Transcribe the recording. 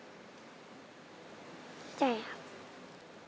เสียใจครับ